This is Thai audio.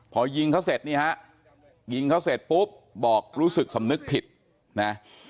พอยิงเขาเสร็จนี่ฮะยิงเขาเสร็จปุ๊บบอกรู้สึกสำนึกผิดนะ